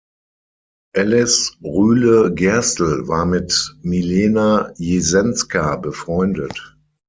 Alice Rühle-Gerstel war mit Milena Jesenská befreundet.